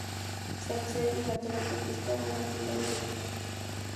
Se accede mediante la autopista Habana-Pinar del Río.